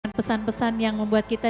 dan pesan pesan yang membuat kita